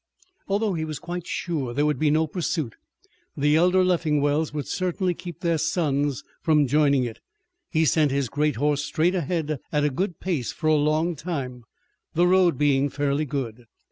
Although he was quite sure there would be no pursuit the elder Leffingwells would certainly keep their sons from joining it he sent his great horse straight ahead at a good pace for a long time, the road being fairly good.